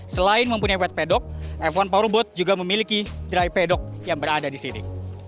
selain mempunyai wet pedok f satu powerboat juga memiliki dry pedok yang berada di sini